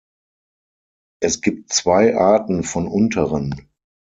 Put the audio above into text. Es gibt zwei Arten von Unteren.